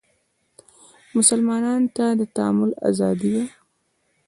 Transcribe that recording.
مسلمانانو ته تعامل ازادي وه